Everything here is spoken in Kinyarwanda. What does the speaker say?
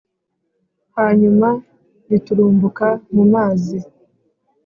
hanyuma giturumbuka mu mazi,